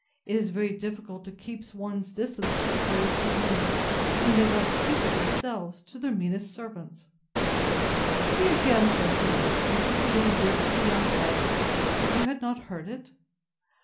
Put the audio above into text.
It is very difficult to keep one's distance to the greatest of men, when they won't keep it themselves to their meanest servants. See again! said he; could you believe this of the young baggage, if you had not heard it?